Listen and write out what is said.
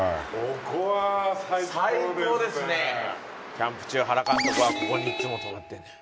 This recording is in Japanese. キャンプ中原監督はここにいっつも泊まってんのよ。